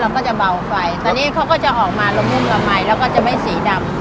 ก็จะเบาไปแต่นี่เขาก็จะออกมาละมุนละมัยแล้วก็จะไม่สีดำ